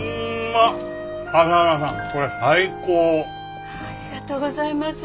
ありがとうございます。